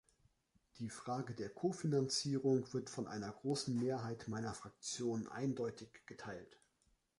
Die Frage der Kofinanzierung wird von einer großen Mehrheit meiner Fraktion eindeutig geteilt.